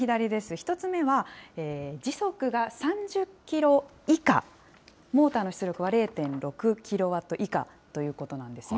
１つ目は、時速が３０キロ以下、モーターの出力が０．６キロワット以下ということなんですね。